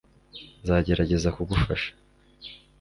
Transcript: nzagerageza kugufasha